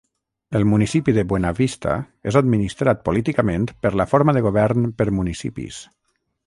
El municipi de Buena Vista és administrat políticament per la forma de govern per municipis.